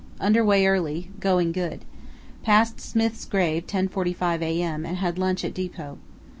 Under way early. Going good. Passed Smith's grave 10.45 a.m. and had lunch at depot.